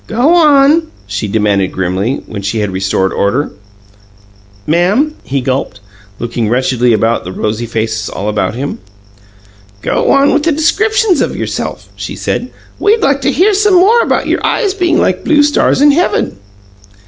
"Go on!" she commanded grimly, when she had restored order. "Ma'am?" he gulped, looking wretchedly upon the rosy faces all about him. "Go on with the description of yourself," she said. "We'd like to hear some more about your eyes being like blue stars in heaven."